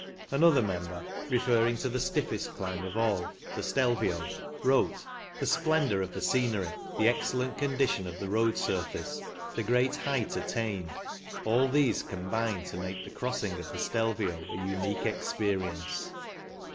Another member, referring to the stiffest climb of all — the Stelvio — wrote :*" The splendour of the scenery, the excel lent condition of the road surface, the great height attained — ^all these combine to make the crossing of the Stelvio a unique experi ence.